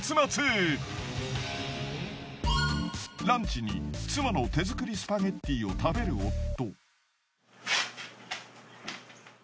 ランチに妻の手作りスパゲッティを食べる夫。